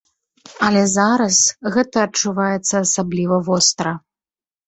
Але зараз гэта адчуваецца асабліва востра.